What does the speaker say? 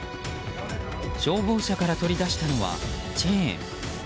消防車から取り出したのはチェーン。